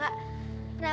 iya kak iya kak